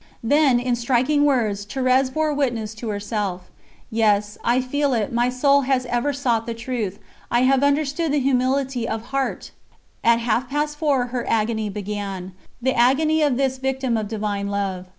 Then, in striking words, Thérèse bore witness to herself: "Yes, I feel it; my soul has ever sought the truth. ... I have understood humility of heart!" ....... At half past four, her agony began the agony of this "Victim of Divine Love."